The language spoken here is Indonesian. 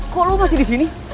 kok lu masih disini